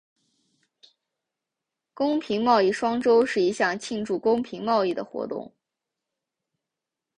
公平贸易双周是一项庆祝公平贸易的活动。